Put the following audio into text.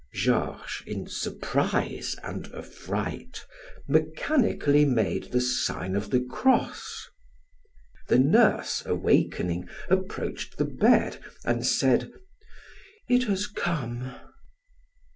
Georges, in surprise and affright, mechanically made the sign of the cross. The nurse, awakening, approached the bed and said: "It has come."